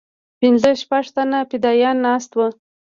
پنځه شپږ تنه فدايان ناست وو.